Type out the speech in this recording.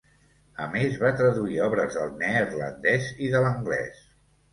A més va traduir obres del neerlandès i de l'anglès.